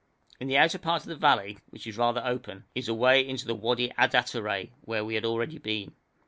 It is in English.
In the outer part of the valley, which is rather open, is a way into the Wadi Addatterèh, where we had already been.